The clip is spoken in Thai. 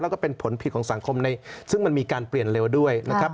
แล้วก็เป็นผลผิดของสังคมซึ่งมันมีการเปลี่ยนเร็วด้วยนะครับ